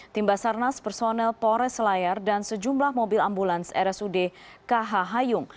tim basarnas personel pores selayar dan sejumlah mobil ambulans rsud kh hayung